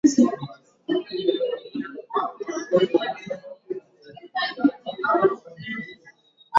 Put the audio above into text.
Safari hii alipata asilimia arobaini na sita nukta sifuri saba